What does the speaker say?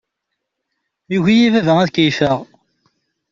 Yugi-iyi baba ad keyyefeɣ.